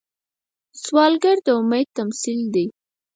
سوالګر د امید تمثیل دی